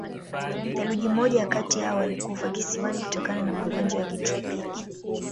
Theluji moja kati hao walikufa kisiwani kutokana na magonjwa ya kitropiki.